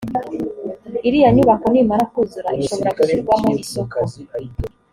iriya nyubako nimara kuzura ishobora gushyirwamo isoko